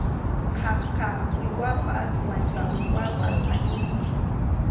Khaka uywaypas wallpa uywaypas allinmi.